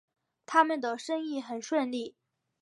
他们的生意很顺利